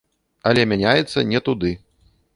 Але мяняецца не туды.